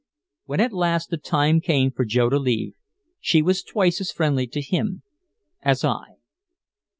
When at last the time came for Joe to leave, she was twice as friendly to him as I.